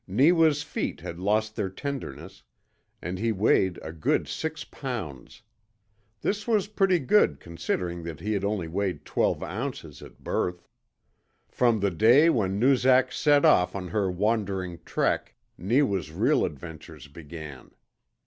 Neewa's feet had lost their tenderness, and he weighed a good six pounds. This was pretty good considering that he had only weighed twelve ounces at birth. From the day when Noozak set off on her wandering TREK Neewa's real adventures began.